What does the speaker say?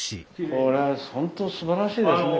これはほんとすばらしいですね